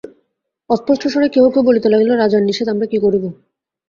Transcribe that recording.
অস্পষ্ট স্বরে কেহ কেহ বলিতে লাগিল, রাজার নিষেধ, আমরা কী করিব!